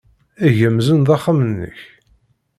Eg amzun d axxam-nnek.